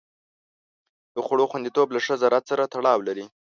د خوړو خوندیتوب له ښه زراعت سره تړاو لري.